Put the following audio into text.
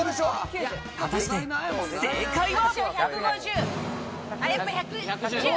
果たして正解は？